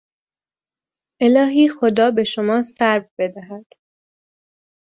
الهی خدا به شما صبر بدهد!